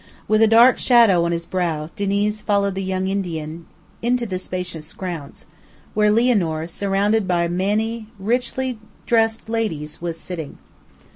With a dark shadow on his brow, Diniz followed the young Indian into the spacious grounds, where Lianor, surrounded by many richly dressed ladies, was sitting.